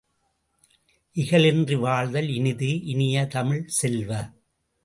இகலின்றி வாழ்தல் இனிது இனிய தமிழ்ச் செல்வ!